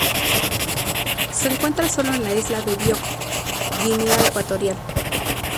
Se encuentra sólo en la isla de Bioko, Guinea Ecuatorial.